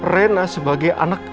rena sebagai anak